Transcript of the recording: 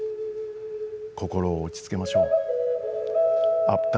心を落ち着けましょう。